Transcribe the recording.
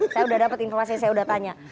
saya udah dapat informasi saya udah tanya